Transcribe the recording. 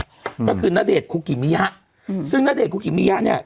ก็คือณเดชนคุกิมิยะอืมซึ่งณเดชนคุกิมิยะเนี้ย